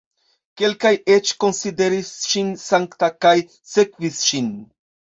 Kelkaj eĉ konsideris ŝin sankta kaj sekvis ŝin.